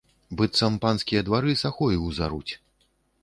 Быццам панскія двары сахою ўзаруць.